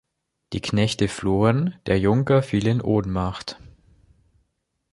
Die Knechte flohen, der Junker fiel in Ohnmacht.